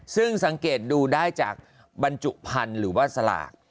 ซึ่งสังเกตดูได้จากบรรจุพันธุ์หรือว่าสลาก